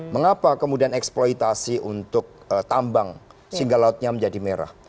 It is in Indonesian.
mengapa kemudian eksploitasi untuk tambang sehingga lautnya menjadi merah